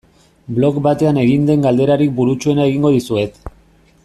Blog batean egin den galderarik burutsuena egingo dizuet.